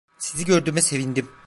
Sizi gördüğüme sevindim.